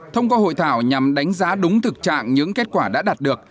thông qua hội thảo nhằm đánh giá đúng thực trạng những kết quả đã đạt được